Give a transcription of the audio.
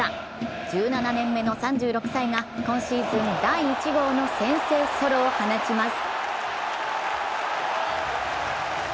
１７年目の３６歳が今シーズン第１号の先制ソロを放ちます。